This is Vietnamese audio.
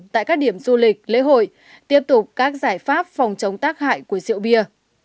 tại các điểm du lịch lễ hội tiếp tục các giải pháp phòng chống tác hại của rượu bia